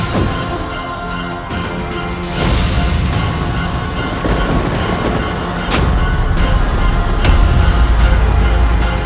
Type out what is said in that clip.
aku akan membawanya pergi dari sini